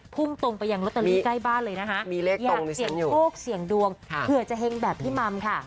พุ่งตรงไปยังลอตเตอรี่ใกล้บ้านเลยนะคะอยากเสี่ยงโชคเสี่ยงดวงเผื่อจะเฮงแบบพี่มัมค่ะ